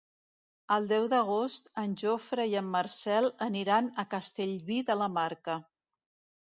El deu d'agost en Jofre i en Marcel aniran a Castellví de la Marca.